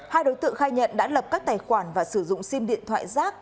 hai đối tượng khai nhận đã lập các tài khoản và sử dụng sim điện thoại rác